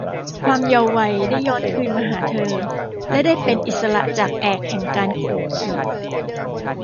ความเยาว์วัยได้ย้อนคืนมาหาเธอและได้เป็นอิสระจากแอกแห่งการกดขี่